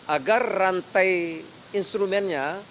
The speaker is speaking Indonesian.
agar rantai instrumennya